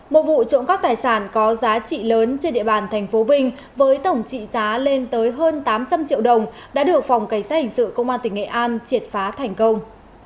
một vụ trộm cắp tài sản có giá trị lớn trên địa bàn tp vinh với tổng trị giá lên tới hơn tám trăm linh triệu đồng đã được phòng cảnh sát hình sự công an tỉnh nghệ an triệt phá thành công